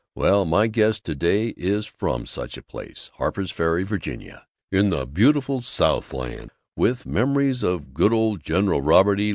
Well, my guest to day is from such a place, Harper's Ferry, Virginia, in the beautiful Southland, with memories of good old General Robert E.